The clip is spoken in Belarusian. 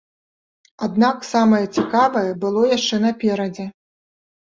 Аднак самае цікавае было яшчэ наперадзе.